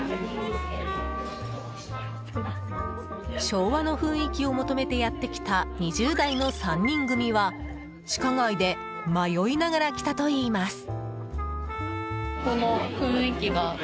昭和の雰囲気を求めてやってきた２０代の３人組は地下街で迷いながら来たといいます。